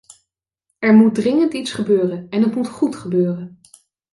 Er moet dringend iets gebeuren, en het moet goed gebeuren.